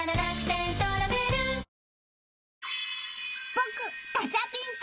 ［僕ガチャピンと］